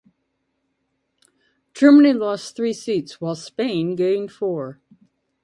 Germany lost three seats, while Spain gained four.